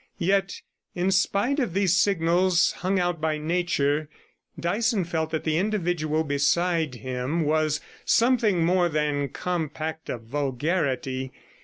Yet, in spite of these signals hung out by nature, Dyson felt that the individual beside him was something more than compact of vulgarity.